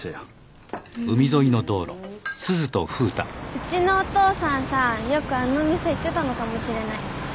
うちのお父さんさよくあの店行ってたのかもしれない。